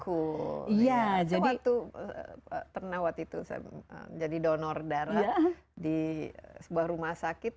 cool saya waktu pernah waktu itu saya menjadi donor darah di sebuah rumah sakit